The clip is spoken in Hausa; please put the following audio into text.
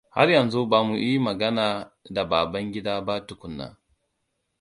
Har yanzu ba mu yi magana da Babangida ba tukuna.